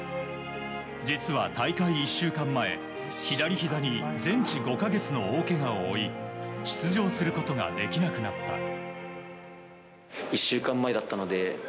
実は大会１週間前、左ひざに全治５か月の大けがを負い出場することができなくなった。